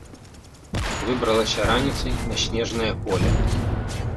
Выбралася раніцай на снежнае поле.